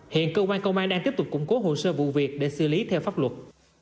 hiện cơ quan công an đang tiếp tục củng cố hồ sơ vụ việc để xử lý theo pháp luật